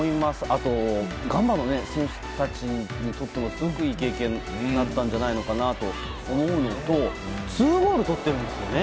あと、ガンバの選手たちにとってもすごくいい経験になったんじゃないかなと思うのと２ゴール取ってるんですよね。